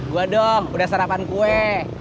gue dong udah sarapan kue